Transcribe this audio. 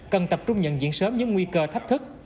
cần tập trung nhận diễn sớm những nguy cơ thách thức